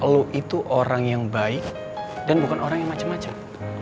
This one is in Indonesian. lo itu orang yang baik dan bukan orang yang macem macem